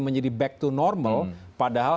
menjadi back to normal padahal